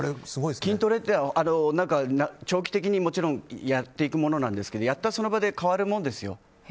筋トレって長期的にもちろんやっていくものですがやったその場で変わるものですよ。